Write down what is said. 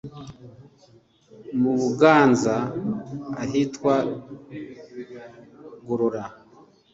Mu Buganza ahitwa i Gorora